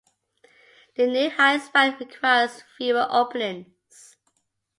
The new, higher span requires fewer openings.